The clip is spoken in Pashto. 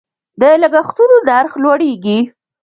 د لګښتونو نرخ لوړیږي.